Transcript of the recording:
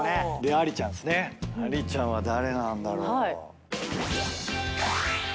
ありちゃんは誰なんだろう？